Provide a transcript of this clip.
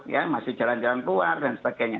ya masih jalan jalan keluar dan sebagainya